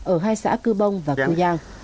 ở hai xã cư bông và cư giang